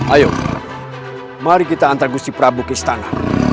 ayo mari kita antar gusti prabu ke istana